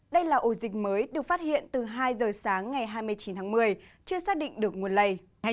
đây là ổ dịch mới được phát hiện từ hai giờ sáng ngày hai mươi chín tháng một mươi chưa xác định được nguồn lây